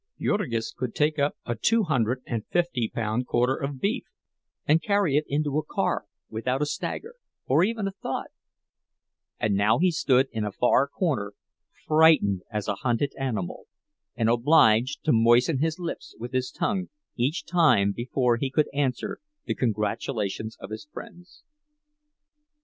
Jurgis could take up a two hundred and fifty pound quarter of beef and carry it into a car without a stagger, or even a thought; and now he stood in a far corner, frightened as a hunted animal, and obliged to moisten his lips with his tongue each time before he could answer the congratulations of his friends.